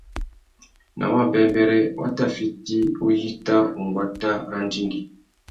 Nà wabêbêrê, wa tà fiti uyíta unguata râ andjingüî.